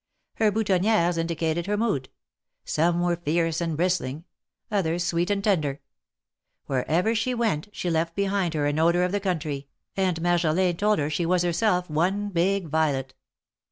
Her boutonnieres indicated her mood ; some were fierce and bristling, others sweet and tender. Wherever she went, she left behind her an odor of the country, and Marjolin told her she was herself one big violet.